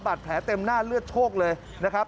แผลเต็มหน้าเลือดโชคเลยนะครับ